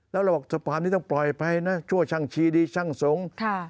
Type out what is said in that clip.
แล้วเราบอกสะพานนี้ต้องปล่อยไปนะชั่วช่างชีดีช่างสงฆ์